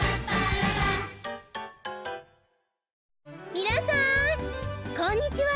みなさんこんにちは。